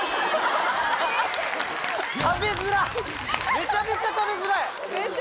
めちゃめちゃ食べづらい！